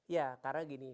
ya karena begini